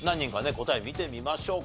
答え見てみましょうか。